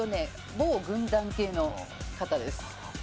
某軍団系の方です。